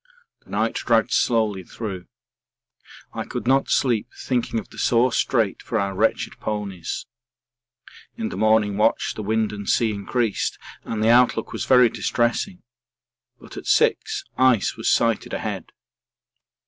The night dragged slowly through. I could not sleep thinking of the sore strait for our wretched ponies. In the morning watch the wind and sea increased and the outlook was very distressing, but at six ice was sighted ahead.